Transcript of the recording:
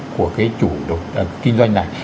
của cái chủ kinh doanh này